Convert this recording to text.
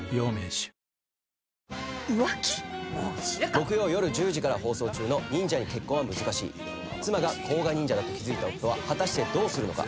木曜夜１０時から放送中の『忍者に結婚は難しい』妻が甲賀忍者だと気付いた夫は果たしてどうするのか？